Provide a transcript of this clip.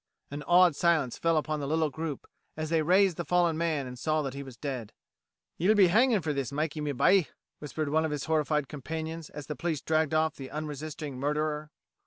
An awed silence fell upon the little group as they raised the fallen man and saw that he was dead. "Ye'll be hangin' fur this, Mikey, me bye," whispered one of his horrified companions as the police dragged off the unresisting murderer.